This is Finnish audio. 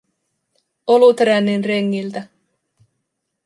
Olutrännin rengiltä.